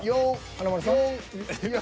華丸さん？